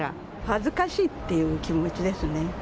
恥ずかしいっていう気持ちですね。